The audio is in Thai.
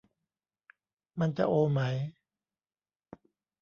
มันจะโอไหม